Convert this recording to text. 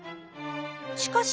しかし。